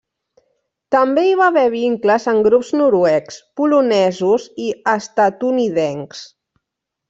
També hi va haver vincles amb grups noruecs, polonesos, i estatunidencs.